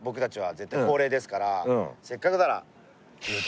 せっかくなら。